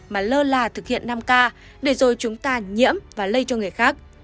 mà lơ là thực hiện năm k để rồi chúng ta nhiễm và lây cho người khác